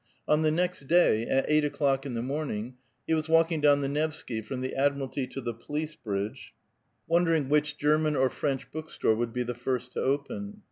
On the next da\', at eight o'clock in the morning, he was walking down the Nevsk}', ±rom the Admiralty to the Police Bridge, wondering which Oerman or French bookstore would be the first to open.